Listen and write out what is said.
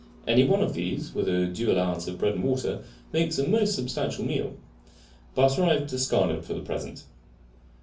Any one of these, with a due allowance of bread and water, makes a most substantial meal. Butter I have discarded for the present.